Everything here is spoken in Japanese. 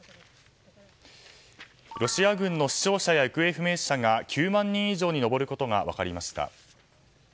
ロシア軍の死傷者や行方不明者が９万人以上に上ることが分かりました。